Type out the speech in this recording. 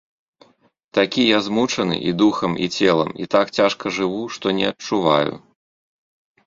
Такі я змучаны і духам і целам і так цяжка жыву, што не адчуваю.